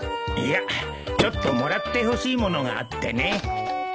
いやちょっともらってほしい物があってね。